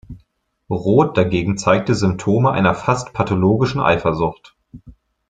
Roth dagegen zeigte Symptome einer fast pathologischen Eifersucht.